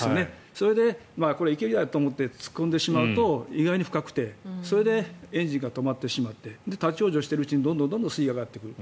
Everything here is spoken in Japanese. それで行けるやと思って突っ込んでしまうと意外に深くて、それでエンジンが止まってしまって立ち往生しているうちにどんどん水位が上がってくる。